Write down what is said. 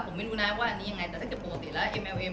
ผมไม่รู้นะว่าอันนี้ยังงัย